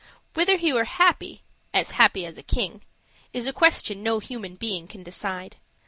Whether he were happy "as happy as a king" is a question no human being can decide.